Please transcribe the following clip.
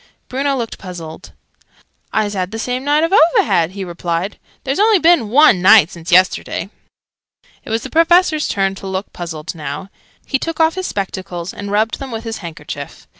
Bruno looked puzzled. "I's had the same night oo've had," he replied. "There's only been one night since yesterday!" It was the Professor's turn to look puzzled now. He took off his spectacles, and rubbed them with his handkerchief.